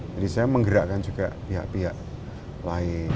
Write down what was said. jadi saya menggerakkan juga pihak pihak lain